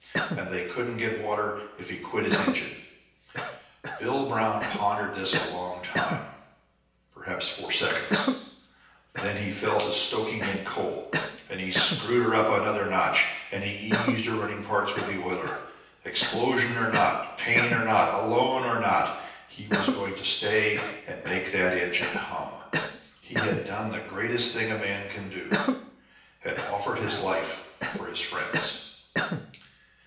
And they couldn't get water if he quit his engine. Bill Brown pondered this a long time, perhaps four seconds; then he fell to stoking in coal, and he screwed her up another notch, and he eased her running parts with the oiler. Explosion or not, pain or not, alone or not, he was going to stay and make that engine hum. He had done the greatest thing a man can do had offered his life for his friends.